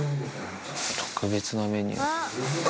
特別なメニュー？